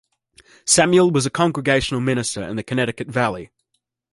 Samuel was a Congregational minister in the Connecticut Valley.